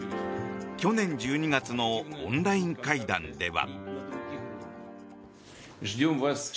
去年１２月のオンライン会談では。